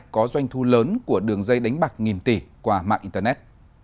có doanh thu lớn của đường dây đánh bạc nghìn tỷ qua mạng internet